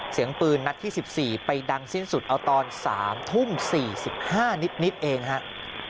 เสียงปืนนัดที่๑๔ไปดังสิ้นสุดเอาตอน๓ทุ่ม๔๕นิดเองฮะ